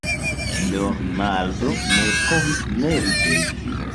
Leonardo ne povis ne rideti.